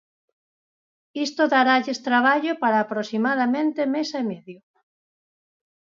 Isto daralles traballo para aproximadamente mes e medio.